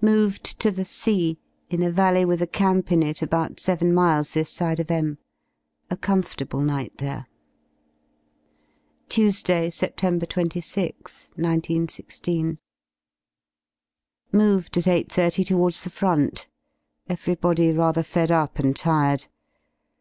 Moved to The C , in a valley with a camp in it about seven miles this side of M A comfortable night there. Tuesday, Sept. 26th, 19 16. Moved at 8.30 towards the Front. Everybody rather fed up and tired.